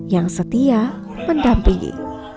yang setia mendampingi